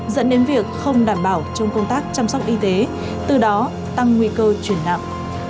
dẫn đến việc không đảm bảo trong công tác chăm sóc y tế từ đó tăng nguy cơ chuyển nặng